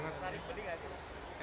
tertarik beli gak sih